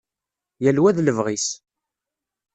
Yal wa d lebɣi-s.